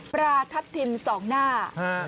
ปลาทัพทิมสองหน้า